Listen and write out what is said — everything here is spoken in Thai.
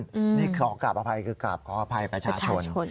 ขึ้นนี่ขออภัยกับขออภัยประชาชน